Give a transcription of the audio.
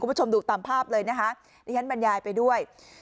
คุณผู้ชมดูตามภาพเลยนะคะดิฉันบรรยายไปด้วย